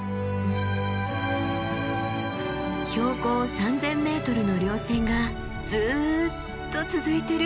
標高３，０００ｍの稜線がずっと続いてる。